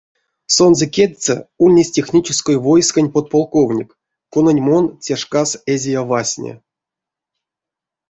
Сонзэ кедьсэ ульнесь технической войскань подполковник, конань мон те шкас эзия вастне.